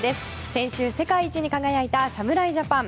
先週、世界一に輝いた侍ジャパン。